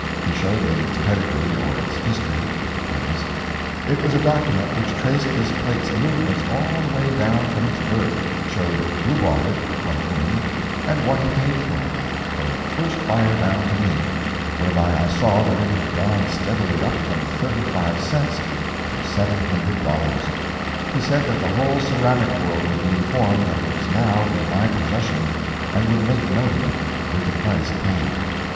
He showed me its pedigree, or its history, if you please; it was a document which traced this plate's movements all the way down from its birth showed who bought it, from whom, and what he paid for it from the first buyer down to me, whereby I saw that it had gone steadily up from thirty five cents to seven hundred dollars. He said that the whole Ceramic world would be informed that it was now in my possession and would make a note of it, with the price paid.